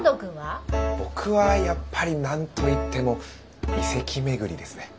僕はやっぱり何と言っても遺跡巡りですね。